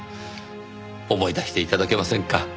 思い出して頂けませんか？